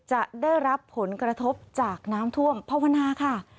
จะได้รับผลกระทบจากน้ำท่วมภาวนาค่ะ